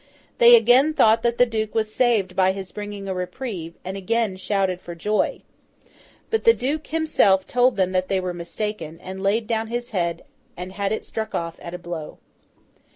They again thought that the Duke was saved by his bringing a reprieve, and again shouted for joy. But the Duke himself told them they were mistaken, and laid down his head and had it struck off at a blow.